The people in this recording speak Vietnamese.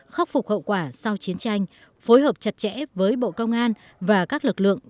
khắc phục hậu quả sau chiến tranh phối hợp chặt chẽ với bộ công an và các lực lượng